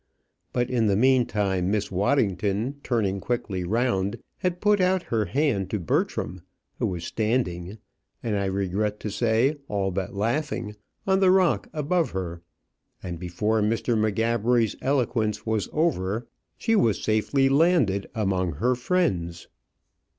But in the meantime, Miss Waddington, turning quickly round, had put out her hand to Bertram, who was standing and I regret to say all but laughing on the rock above her; and before Mr. M'Gabbery's eloquence was over, she was safely landed among her friends.